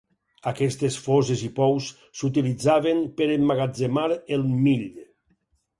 Aquestes foses o pous s'utilitzaven per emmagatzemar el mill.